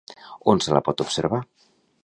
On se la pot observar?